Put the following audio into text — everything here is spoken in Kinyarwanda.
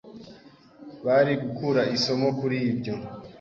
bari gukura isomo kuri ibyo